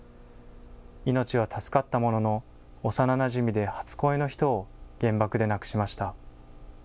命は助かったものの、幼なじみで初恋の人を原爆で亡くしました。